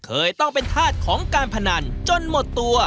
เคยต้องเป็นธาตุของการพนันจนหมดตัว